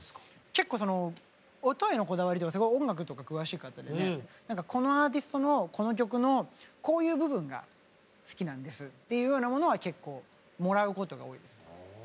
結構その音へのこだわりとか音楽とか詳しい方でね何か「このアーティストのこの曲のこういう部分が好きなんです」っていうようなものは結構もらうことが多いですね。